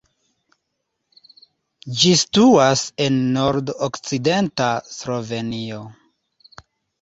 Ĝi situas en nord-okcidenta Slovenio.